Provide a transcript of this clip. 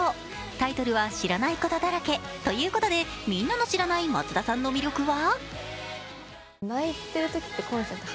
タイトルは「知らないことだらけ」ということで、みんなの知らない松田さんの魅力は？